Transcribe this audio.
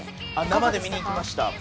生で見に行きました。